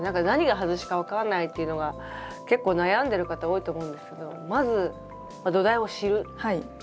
何が外しか分かんないっていうのが結構悩んでる方多いと思うんですけどまず土台を知る。